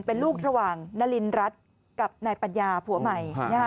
เป็นลูกระหว่างนารินรัฐกับนายปัญญาผัวใหม่